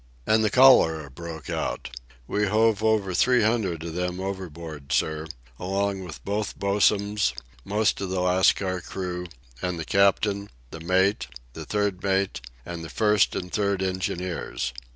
"And the cholera broke out. We hove over three hundred of them overboard, sir, along with both bosuns, most of the Lascar crew, and the captain, the mate, the third mate, and the first and third engineers.